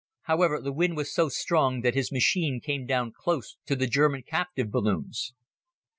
However, the wind was so strong that his machine came down close to the German captive balloons.